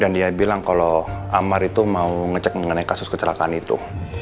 dan dia bilang kalau amar itu mau ngecek mengenai kasus kecelakaan itu